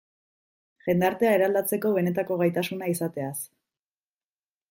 Jendartea eraldatzeko benetako gaitasuna izateaz.